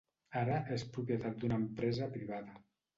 Ara és propietat d'una empresa privada.